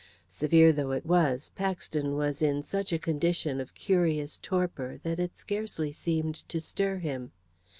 Severe though it was, Paxton was in such a condition of curious torpor that it scarcely seemed to stir him.